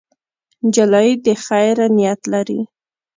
نجلۍ د خیر نیت لري.